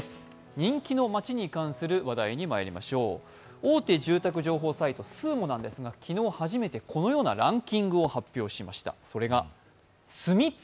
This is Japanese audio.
人気の街に関する話題にまいりましょう大手住宅情報サイト、ＳＵＵＭＯなんですが、昨日初めてこのようなランキングを発表しました。